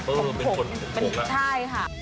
เป็นที่ไทยค่ะ